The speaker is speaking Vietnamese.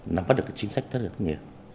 nắm bắt được chính sách thất nghiệp